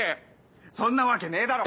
そんなわけねえだろ！